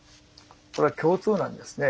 これは共通なんですね。